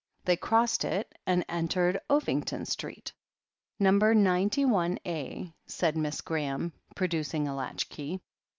They crossed it, and entered Ovington Street. "Number ninety one A," said Miss Graham, produc ing a latch key.